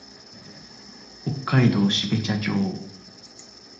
北海道標茶町